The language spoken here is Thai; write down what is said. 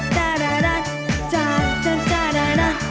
พร้อมกันครับ